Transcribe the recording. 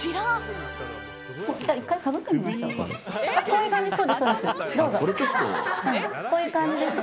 こういう感じです。